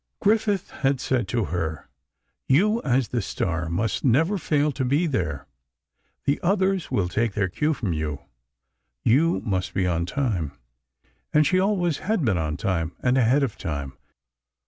Griffith had said to her: "You, as the star, must never fail to be there. The others will take their cue from you. You must be on time." And she always had been on time, and ahead of time.